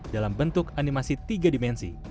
dalam bentuk animasi tiga dimensi